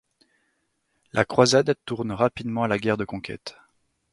La croisade tourne rapidement à la guerre de conquête.